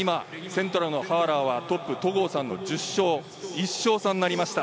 今、セントラルのハーラートップの戸郷さんの１０勝、１勝差になりました。